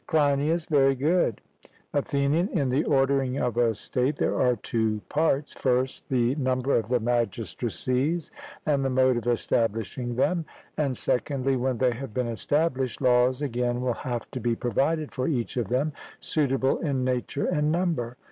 CLEINIAS: Very good. ATHENIAN: In the ordering of a state there are two parts: first, the number of the magistracies, and the mode of establishing them; and, secondly, when they have been established, laws again will have to be provided for each of them, suitable in nature and number.